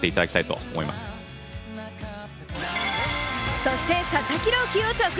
そして佐々木朗希を直撃。